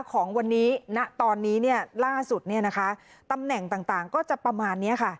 ของวันนี้ณตอนนี้เนี่ยล่าสุดเนี่ยนะคะตำแหน่งต่างต่างก็จะประมาณเนี้ยค่ะ